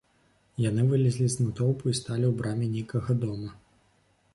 Яны вылезлі з натоўпу і сталі ў браме нейкага дома.